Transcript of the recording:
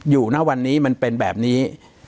ณวันนี้มันเป็นแบบนี้